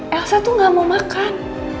elsa tuh gak mau makan